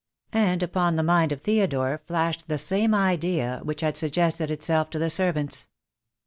And upon the mind of Theodore flashed the same idea which had sug gested itself to the servants.